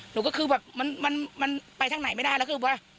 หนูก็คือแบบมันไปทางไหนไม่ได้แล้วคือว่า